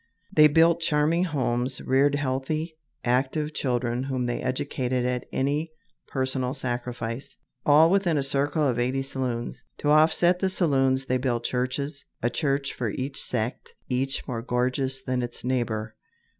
They built charming homes, reared healthy, active children whom they educated at any personal sacrifice all within a circle of eighty saloons! To offset the saloons they built churches a church for each sect each more gorgeous than its neighbor.